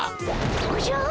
おじゃ！